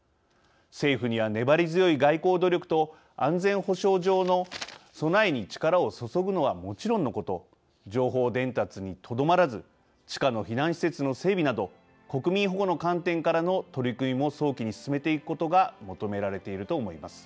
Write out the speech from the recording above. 政府には粘り強い外交努力と安全保障上の備えに力を注ぐのは、もちろんのこと情報伝達にとどまらず地下の避難施設の整備など国民保護の観点からの取り組みも早期に進めていくことが求められていると思います。